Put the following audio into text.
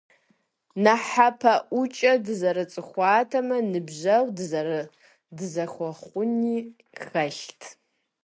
НэхъапэӀуэкӀэ дызэрыцӀыхуатэмэ, ныбжьэгъу дызэхуэхъунри хэлът.